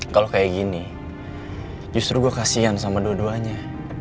kalau kayak gini justru gue kasian sama dua duanya